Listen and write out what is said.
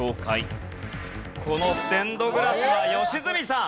このステンドグラスは。良純さん。